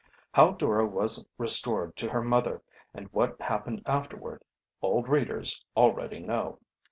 How Dora was restored to her mother and what happened afterward, old readers already know.